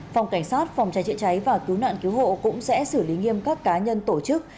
phòng cảnh sát phòng trái trịa trái và cứu nạn cứu hộ cũng sẽ xử lý nghiêm các cá nhân tổ chức